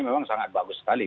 memang sangat bagus sekali